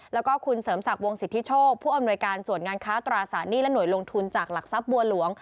แล้วก็คุณเสริมศักดิ์วงสิทธิโชคผู้อำนวยการส่วนงานค้าตราสารหนี้และหน่วยลงทุนจากหลักทรัพย์บัวหลวง